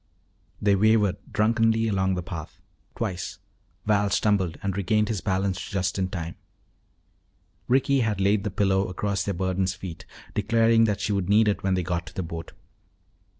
They wavered drunkenly along the path. Twice Val stumbled and regained his balance just in time. Ricky had laid the pillow across their burden's feet, declaring that she would need it when they got to the boat.